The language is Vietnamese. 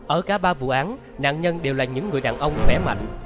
ở cả ba vụ án nạn nhân đều là những người đàn ông khỏe mạnh